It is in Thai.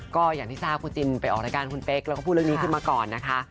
ก็อย่างที่ทราบคุณจินไปออกรายการคุณเป๊กแล้วก็พูดเรื่องนี้ขึ้นมาก่อนนะคะ